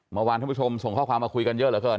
เมื่อวานท่านผู้ชมส่งข้อความมาคุยกันเยอะเหลือเกิน